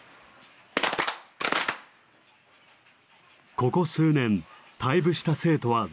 ここ数年退部した生徒はゼロ。